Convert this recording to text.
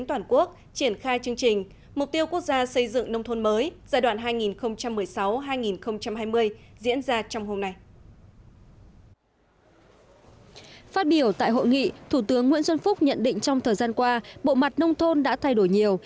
trong những phút nhận định trong thời gian qua bộ mặt nông thôn đã thay đổi nhiều